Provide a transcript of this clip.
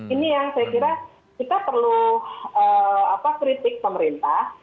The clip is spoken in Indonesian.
ini yang saya kira kita perlu kritik pemerintah